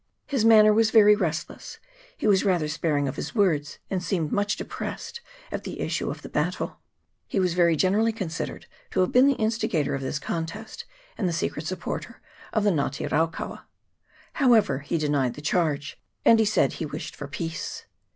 His manner was very restless ; he was rather sparing of his words, and seemed much depressed at the issue of the battle. He was very generally considered to have been the instigator of this contest, and the secret supporter of the Nga te raukaua. However, he denied the charge, and said he wished for peace.